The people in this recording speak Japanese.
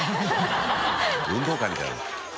運動会みたいな。